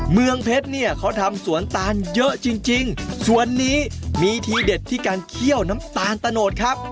เมืองเพชรเนี่ยเขาทำสวนตาลเยอะจริงจริงสวนนี้มีทีเด็ดที่การเคี่ยวน้ำตาลตะโนดครับ